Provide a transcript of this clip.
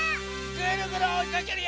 ぐるぐるおいかけるよ！